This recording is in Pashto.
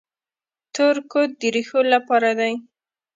تور کود د ریښو لپاره دی.